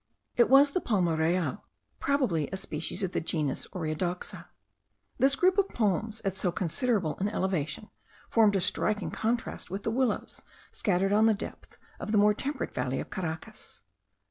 It was the palma real; probably a species of the genus Oreodoxa. This group of palms, at so considerable an elevation, formed a striking contrast with the willows* scattered on the depth of the more temperate valley of Caracas.